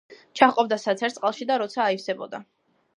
ჩაჰყოფდა საცერს წყალში, და როცა აივსებოდა.